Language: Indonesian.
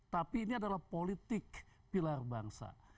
tapi ini adalah politik pilar bangsa